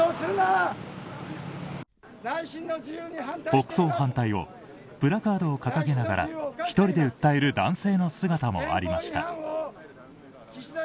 国葬反対をプラカードを掲げながら１人で訴える男性の姿もありました。